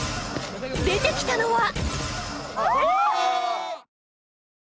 ［出てきたのは］